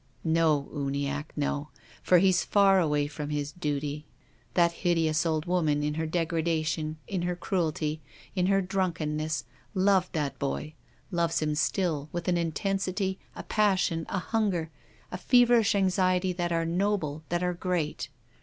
" No, Uniacke, no, for he's far away from his duty. That hideous old woman, in her degrada tion, in her cruelty, in her drunkenness, loved that boy, loves him still, with an intensity, a passion, a THE RAINBOW. 43 hunger, a feverish anxiety that are noble, that are great.